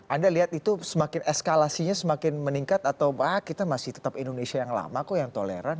anda lihat itu semakin eskalasinya semakin meningkat atau kita masih tetap indonesia yang lama kok yang toleran